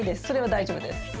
それは大丈夫です。